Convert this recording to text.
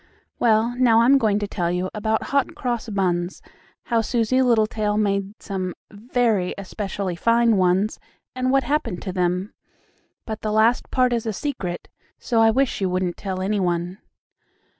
Well, now I'm going to tell you about Hot Cross Buns, how Susie Littletail made some very especially fine ones, and what happened to them. But the last part is a secret, so I wish you wouldn't tell any one.